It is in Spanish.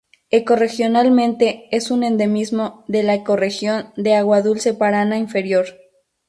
Ecorregionalmente es un endemismo de la ecorregión de agua dulce Paraná inferior.